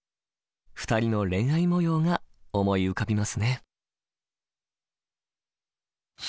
２人の恋愛もようが思い浮かびますね。